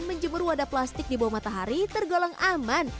menjemur wadah plastik di bawah matahari tergolong aman